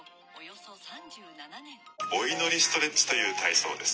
お祈りストレッチという体操です。